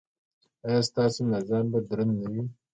ایا ستاسو میزان به دروند نه وي؟